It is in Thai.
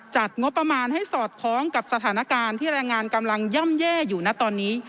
จัดงบประมาณให้สอดคล้องกับสถานการณ์ที่แรงงานกำลังย่ำแย่อยู่นะตอนนี้